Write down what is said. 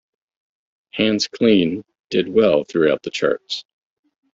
"Hands Clean" did well through the charts.